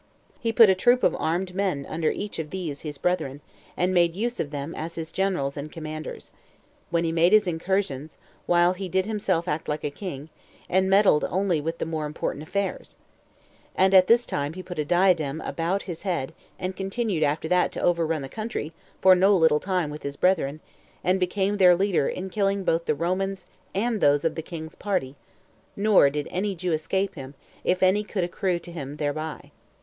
He put a troop of armed men under each of these his brethren, and made use of them as his generals and commanders, when he made his incursions, while he did himself act like a king, and meddled only with the more important affairs; and at this time he put a diadem about his head, and continued after that to overrun the country for no little time with his brethren, and became their leader in killing both the Romans and those of the king's party; nor did any Jew escape him, if any gain could accrue to him thereby.